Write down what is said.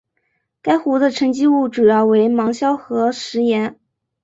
该湖的沉积物主要为芒硝和石盐。